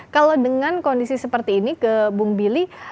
kalau dengan kondisi seperti ini ke bung billy